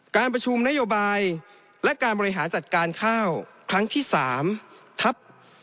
การประชุมนโยบายและการบริหารจัดการข้าวครั้งที่๓ทัพ